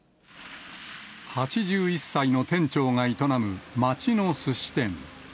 ８１歳の店長が営む街のすし店。